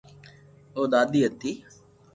او ڌادي ھتي